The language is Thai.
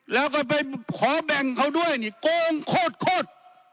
แล้วก็ไปขอแบ่งเขาด้วยโกงโคตร